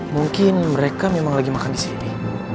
mungkin mereka memang lagi makan disini